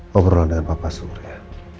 ngobrol dengan bapak surya